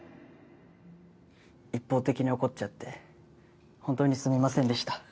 一方的に怒っちゃって本当にすみませんでした